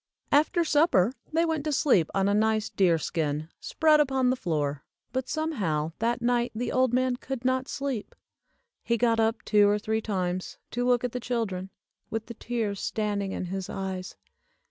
After supper they went to sleep on a nice deer skin, spread upon the floor, but some how that night the old man could not sleep. He got up two or three times to look at the children, with the tears standing in his eyes.